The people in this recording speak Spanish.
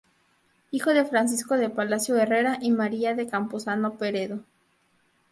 Hijo de Francisco de Palacio Herrera y María de Campuzano Peredo.